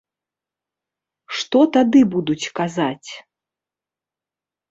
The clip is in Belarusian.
Што тады будуць казаць?